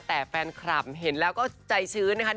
แต่แฟนคลับเห็นแล้วก็ใจชื้นนะคะ